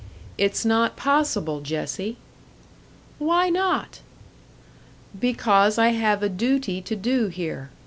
"It's not possible, Jessie." "Why not?" "Because I have a duty to do here.